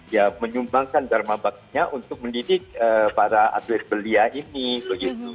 ya menyumbangkan dharma baktinya untuk mendidik para atlet belia ini begitu